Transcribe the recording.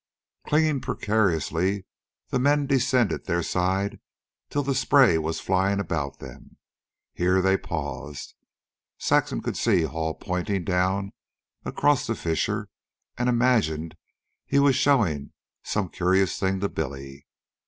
Clinging precariously, the men descended their side till the spray was flying about them. Here they paused. Saxon could see Hall pointing down across the fissure and imagined he was showing some curious thing to Billy.